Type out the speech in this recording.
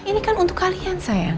ya ini kan untuk kalian sayang